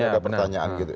ada pertanyaan gitu